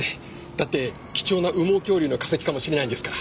だって貴重な羽毛恐竜の化石かもしれないんですから。